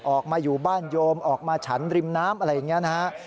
ออกมาอยู่บ้านโยมออกมาฉันริมน้ำอะไรอย่างนี้นะฮะ